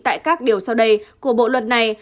tại các điều sau đây của bộ luật này